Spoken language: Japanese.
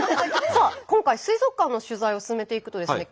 さあ今回水族館の取材を進めていくとですね